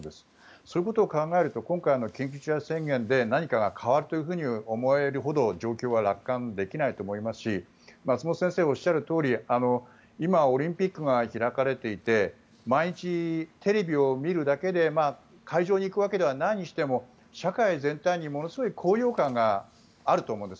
そういうことを考えると今回、緊急事態宣言で何かが変わると思えるほど状況は楽観できないと思いますし松本先生がおっしゃるとおり今、オリンピックが開かれていて毎日テレビを見るだけで会場に行くわけではないにしても社会全体にものすごい高揚感があると思うんです。